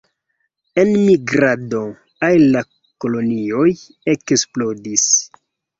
Enmigrado al la kolonioj eksplodis.